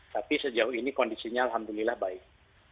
tapi sejauh ini kondisinya alhamdulillah baik